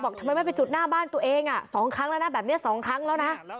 บอกทำไมไม่ไปจุดหน้าบ้านตัวเองอ่ะสองครั้งแล้วนะแบบเนี้ยสองครั้งแล้วนะ